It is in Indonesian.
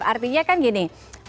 artinya kan gini